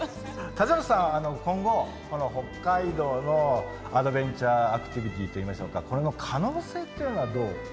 立本さんは今後この北海道のアドベンチャーアクティビティーといいましょうかこれの可能性っていうのはどう。